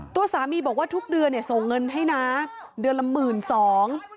ตัวสามีบอกว่าทุกเดือนเนี่ยส่งเงินให้นะเดือนละหมื่นสอง